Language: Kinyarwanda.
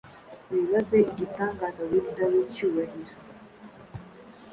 Wibaze igitangazaWielder wicyubahiro